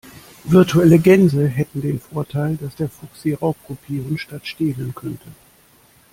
Virtuelle Gänse hätten den Vorteil, dass der Fuchs sie raubkopieren statt stehlen könnte.